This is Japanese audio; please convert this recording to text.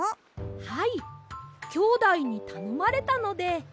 はいきょうだいにたのまれたので。